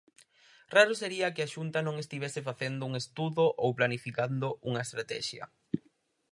Raro sería que a Xunta non estivese facendo un estudo ou planificando unha estratexia.